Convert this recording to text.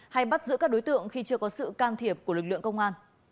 hay bắt giữ các đối tượng khi chưa có sự can thiệp của lực lượng công an